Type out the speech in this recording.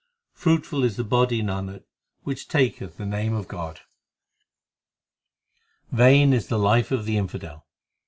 Fruitful is the body, Nanak, which taketh the name of God. 6 Vain is the life of the infidel.